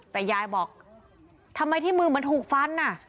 แต่ยายบอกทำไมที่มือมันถูกฟัน